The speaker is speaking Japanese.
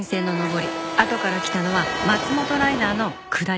あとから来たのは松本ライナーの下り。